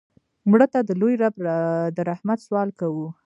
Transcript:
مړه ته د لوی رب د رحمت سوال کوو